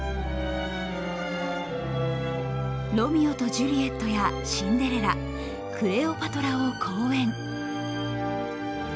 「ロミオとジュリエット」や「シンデレラ」「クレオパトラ」を好演。